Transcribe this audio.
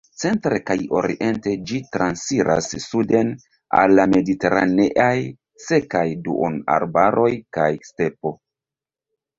Centre kaj oriente ĝi transiras suden al la mediteraneaj sekaj duonarbaroj kaj stepo.